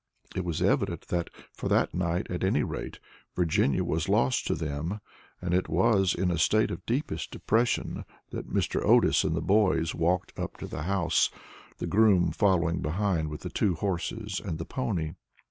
It was evident that, for that night at any rate, Virginia was lost to them; and it was in a state of the deepest depression that Mr. Otis and the boys walked up to the house, the groom following behind with the two horses and the pony.